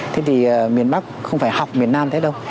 thế thì miền bắc không phải học miền nam thế đâu